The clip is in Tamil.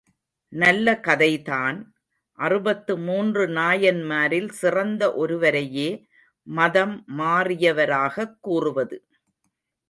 நல்ல கதைதான், அறுபத்து மூன்று நாயன்மாரில் சிறந்த ஒருவரையே மதம் மாறியவராகக் கூறுவது!